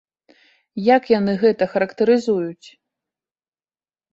Як яны гэта характарызуюць?